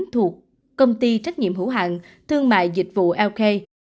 thuộc công ty trách nhiệm hữu hạng thương mại dịch vụ eoke